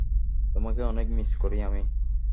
তোমাকে অনেক মিস করি আমি।